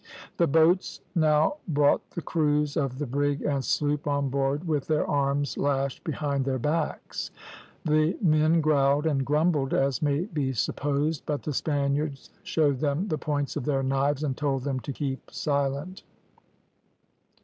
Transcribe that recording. The boats now brought the crews of the brig and sloop on board with their arms lashed behind their backs. The men growled and grumbled as may be supposed, but the Spaniards showed them the points of their knives, and told them to keep silent.